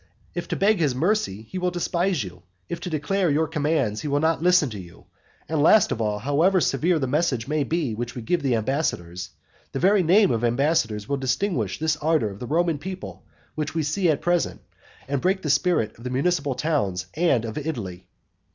If to beg his mercy, he will despise you; if to declare your commands he will not listen to them; and last of all, however severe the message may be which we give the ambassadors, the very name of ambassadors will extinguish this ardour of the Roman people which we see at present, and break the spirit of the municipal towns and of Italy.